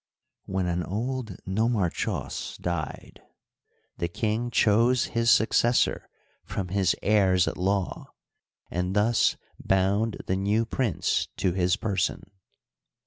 When an old nomarchos died the king chose his successor from his heirs at law, and thus bound the new prince to his person.